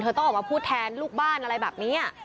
ต้องออกมาพูดแทนลูกบ้านอะไรแบบนี้